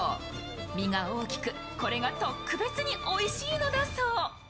身が大きく、これが特別においしいのだそう。